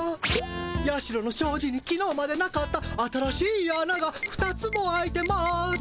社のしょうじにきのうまでなかった新しいあなが２つも開いてます。